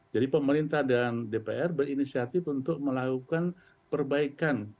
jadi pemerintah dan dpr berinisiatif untuk melakukan perbaikan